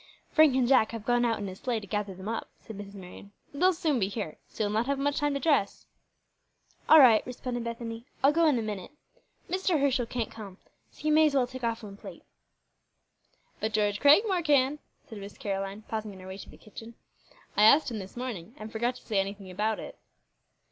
"Frank and Jack have gone out in a sleigh to gather them up," said Mrs. Marion. "They'll soon be here, so you'll not have much time to dress." "All right," responded Bethany, "I'll go in a minute. Mr. Herschel can't come, so you may as well take off one plate." "But George Cragmore can," said Miss Caroline, pausing on her way to the kitchen. "I asked him this morning, and forgot to say anything about it."